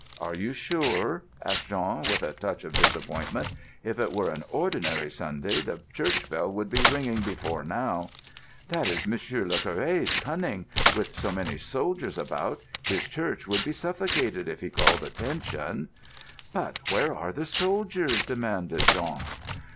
"Are you sure?" asked Jean, with a touch of disappointment. "If it were an ordinary Sunday the church bell would be ringing before now." "That is M. le Curé's cunning. With so many soldiers about, his church would be suffocated if he called attention——" "But where are the soldiers?" demanded Jean.